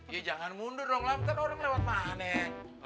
ya jangan mundur dong nanti orang lewat mana